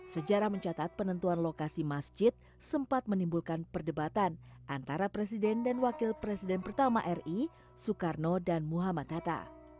sejarah mencatat penentuan lokasi masjid sempat menimbulkan perdebatan antara presiden dan wakil presiden pertama ri soekarno dan muhammad hatta